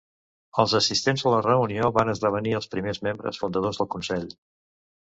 Els assistents a la reunió va esdevenir els primers membres fundadors del consell.